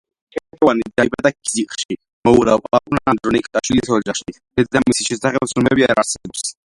ქეთევანი დაიბადა ქიზიყში, მოურავ პაპუნა ანდრონიკაშვილის ოჯახში, დედამისის შესახებ ცნობები არ არსებობს.